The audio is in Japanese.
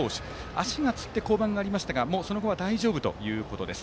足がつって降板がありましたがその後は大丈夫ということです。